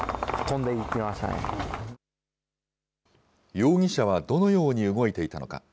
容疑者はどのように動いていたのか。